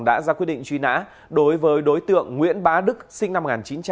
đã ra quyết định truy nã đối với đối tượng nguyễn bá đức sinh năm một nghìn chín trăm tám mươi